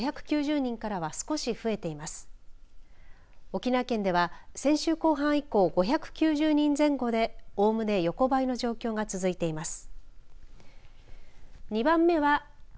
沖縄県では先週後半以降５９０人前後でおおむね横ばいの状況が続いています。